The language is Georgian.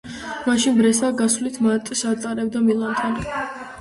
მაშინ ბრეშა გასვლით მატჩს ატარებდა მილანთან.